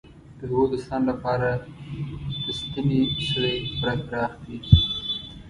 د دوو دوستانو لپاره د ستنې سوری پوره پراخ دی.